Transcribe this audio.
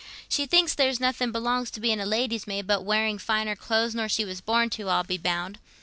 She thinks there's nothing belongs to being a lady's maid but wearing finer clothes nor she was born to, I'll be bound.